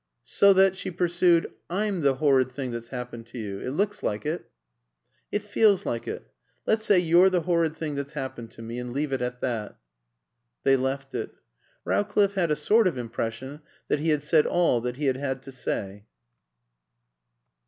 "So that," she pursued, "I'm the horrid thing that's happened to you? It looks like it." "It feels like it. Let's say you're the horrid thing that's happened to me, and leave it at that." They left it. Rowcliffe had a sort of impression that he had said all that he had had to say.